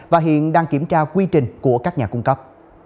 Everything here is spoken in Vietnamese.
và hiện đang kiểm tra quy trình của các nhà cung cấp